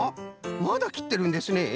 まだきってるんですねえ？